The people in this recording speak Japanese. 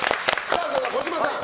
それでは児嶋さん